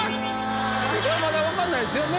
これまだ分かんないですよね。